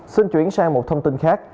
xin chuyển sang một thông tin khác